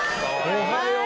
おはよう。